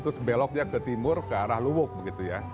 terus beloknya ke timur ke arah luwuk begitu ya